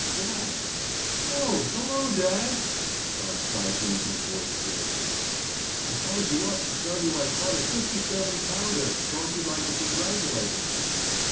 "Dad." "Oh, hello, dad!" Bob tried to make his voice joyful. "I called you up to tell you I caught a fifty seven pounder. Thought you'd like to congratulate me."